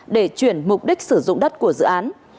để chuyển mục đích sử dụng đất của dự án